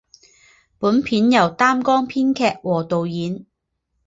本片由担纲编剧和导演。